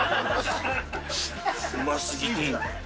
うますぎて。